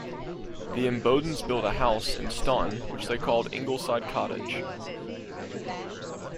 The Imbodens built a house in Staunton which they called the "Ingleside Cottage".